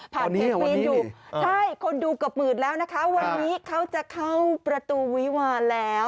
ผ่านเมืองทิพย์อยู่ใช่คนดูกระปืดแล้วนะคะวันนี้เขาจะเข้าประตูวิวันแล้ว